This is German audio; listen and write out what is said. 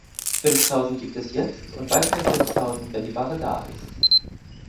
Fünftausend gibt es jetzt und weitere fünftausend wenn die Ware da ist.